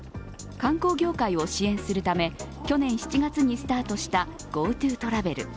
観光業界を支援するため去年７月にスタートしたＧｏＴｏトラベル。